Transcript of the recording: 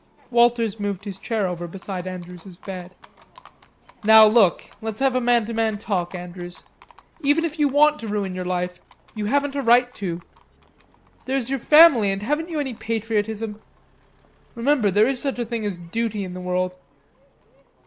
Walters moved his chair over beside Andrews's bed. "Now, look, let's have a man to man talk, Andrews. Even if you want to ruin your life, you haven't a right to. There's your family, and haven't you any patriotism?... Remember, there is such a thing as duty in the world."